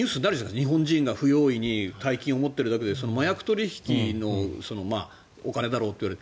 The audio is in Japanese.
日本人が不用意に大金を持っているだけで麻薬取引のお金だろうと言われる。